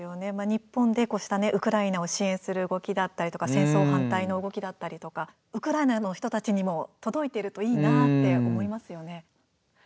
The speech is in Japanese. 日本でこうしたウクライナを支援する動きだったりとか戦争反対の動きだったりとかウクライナの人たちにも届いているといいなって思いますよね。